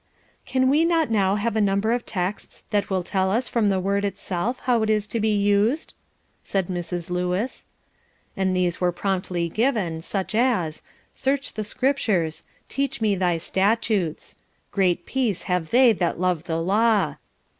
"Can we not now have a number of texts that tell us from the Word itself how it is to be used?" said Mrs. Lewis. And these were promptly given, such as, "Search the Scriptures." "Teach me thy statutes." "Great peace have they that love thy law."